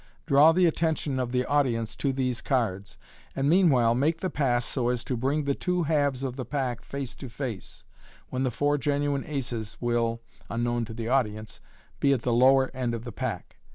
Draw the attention of the audience to these cards, and MODERN MAGIC. 9» meanwhile make the pass so as to bring the two halves of the pack face to face, when the four genuine aces will (unknown to the audi ence) be at the lower end of the pack.